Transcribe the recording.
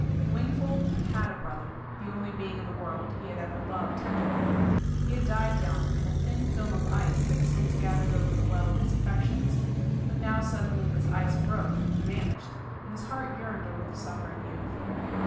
Wingfold had had a brother, the only being in the world he had ever loved tenderly; he had died young, and a thin film of ice had since gathered over the well of his affections; but now suddenly this ice broke and vanished, and his heart yearned over the suffering youth.